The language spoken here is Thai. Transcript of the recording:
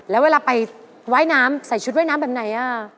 แล้วเวลาไปว่ายน้ำใส่ชุดว่ายน้ำแบบไหน